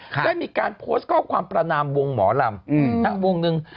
ได้มีการโพสต์ข้อความประนามวงหมอลำวงหนึ่ง